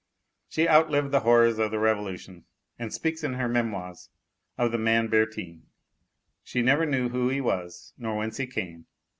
She outlived the horrors of the Revolution and speaks in her memoirs of the man Bertin. She never knew who he was nor whence he came.